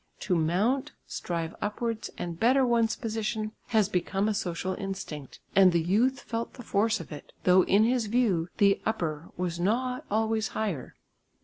To mount, strive upwards and better one's position has become a social instinct, and the youth felt the force of it, though in his view the "upper" was not always higher.